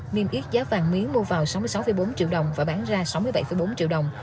niêm yết giá vàng miếng mua vào sáu mươi sáu bốn triệu đồng và bán ra sáu mươi bảy bốn triệu đồng